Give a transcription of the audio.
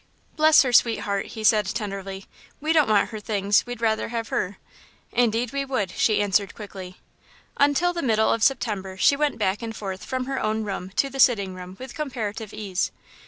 "Bless her sweet heart," he said tenderly, "we don't want her things we'd rather have her." "Indeed we would," she answered quickly. Until the middle of September she went back and forth from her own room to the sitting room with comparative ease.